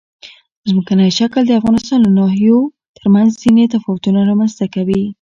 ځمکنی شکل د افغانستان د ناحیو ترمنځ ځینې تفاوتونه رامنځ ته کوي.